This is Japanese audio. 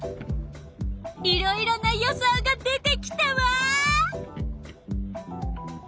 いろいろな予想が出てきたわ！